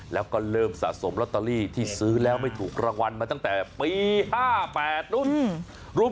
แล้วก็เริ่มสะสมลอตเตอรี่ที่ซื้อแล้วไม่ถูกรางวัลมาตั้งแต่ปี๕๘นู้น